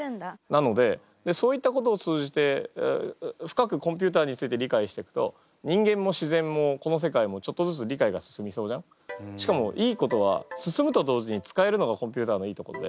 なのでそういったことを通じて深くコンピューターについて理解していくとしかもいいことは進むと同時に使えるのがコンピューターのいいところで。